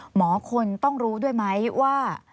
หมอคนต้องรู้ด้วยไหมว่า